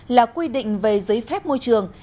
là quy định về giấy phép môi trường